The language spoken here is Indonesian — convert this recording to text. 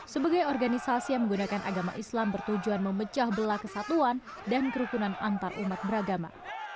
sebagai organisasi yang menggunakan agama islam bertujuan memecah belah kesatuan dan kerukunan antarumat beragama